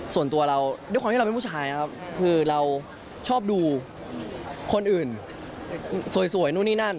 ส่วนตัวเราด้วยความที่เราเป็นผู้ชายนะครับคือเราชอบดูคนอื่นสวยนู่นนี่นั่น